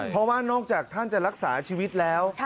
เพราะว่านอกจากท่านจะรักษาชีวิตแล้ว